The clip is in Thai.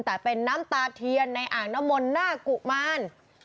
แต่เป็นน้ำตาเทียนในอ่างน้ำมนต์หน้ากุมาร